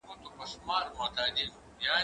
زه له سهاره ښوونځی ځم!؟